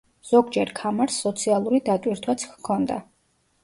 ზოგჯერ ქამარს სოციალური დატვირთვაც ჰქონდა.